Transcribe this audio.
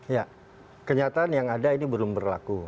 ya kenyataan yang ada ini belum berlaku